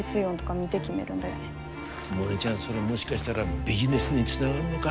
モネちゃんそれもしかしたらビジネスにつながんのが？